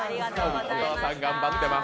お父さん、頑張ってます。